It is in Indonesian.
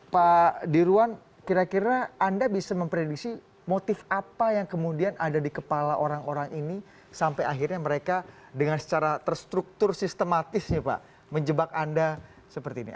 pak dirwan kira kira anda bisa memprediksi motif apa yang kemudian ada di kepala orang orang ini sampai akhirnya mereka dengan secara terstruktur sistematis nih pak menjebak anda seperti ini